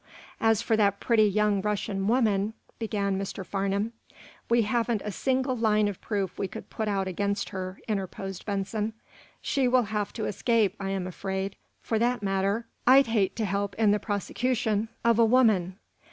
"As for that pretty young Russian woman " began Mr. Farnum. "We haven't a single line of proof we could put out against her," interposed Benson. "She will have to escape, I am afraid. For that matter, I'd hate to help in the prosecution of a woman."